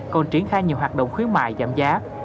còn triển khai nhiều hoạt động khuyến mại giảm giá